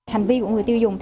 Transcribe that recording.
hành vi của người tiêu dùng